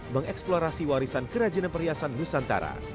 mengeksplorasi warisan kerajinan perhiasan nusantara